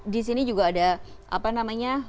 di sini juga ada apa namanya